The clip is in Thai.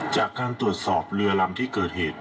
จากการตรวจสอบเรือลำที่เกิดเหตุ